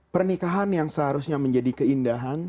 pernikahan yang seharusnya menjadi keindahan